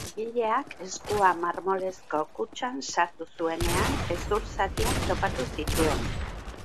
Langileak eskua marmolezko kutxan sartu zuenean, hezur zatiak topatu zituen.